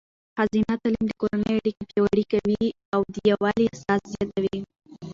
ښځینه تعلیم د کورنۍ اړیکې پیاوړې کوي او د یووالي احساس زیاتوي.